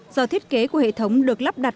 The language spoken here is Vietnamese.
do thiết kế của hệ thống được lắp đặt